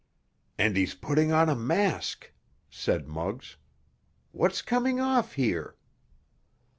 "And he's putting on a mask," said Muggs. "What's coming off here?"